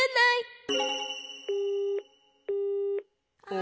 あ。